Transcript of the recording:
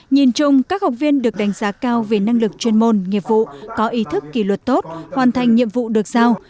nhìn chung các học viên được đánh giá cao về năng lực chuyên môn nghiệp vụ có ý thức kỷ luật tốt hoàn thành nhiệm vụ được giao